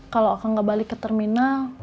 kalau akan gak balik ke terminal